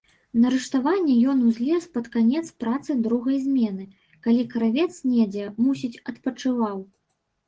На рыштаванне ён узлез пад канец працы другой змены, калі кравец недзе, мусіць, адпачываў.